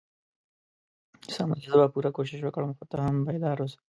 سمه ده زه به پوره کوشش وکړم خو ته هم بیدار اوسه.